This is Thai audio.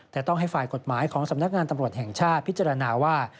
แต่ต้องให้ฝ่ายกฎหมายของสำนักงานตำรวจแห่งชาติพิจารณาว่า